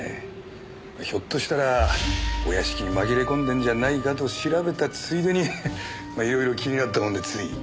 ひょっとしたらお屋敷に紛れ込んでんじゃないかと調べたついでにいろいろ気になったもんでつい。